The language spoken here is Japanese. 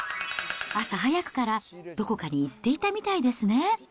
朝早くからどこかに行っていたみたいですね。